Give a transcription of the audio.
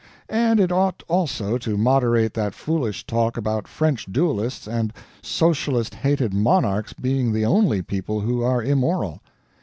And it ought also to moderate that foolish talk about French duelists and socialist hated monarchs being the only people who are immortal.